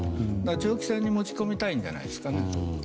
長期戦に持ち込みたいんじゃないんですか。